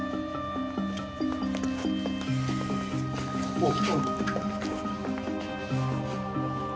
おう。